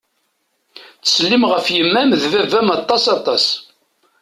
Ttsellim ɣef yemma-m d baba-m aṭas aṭas.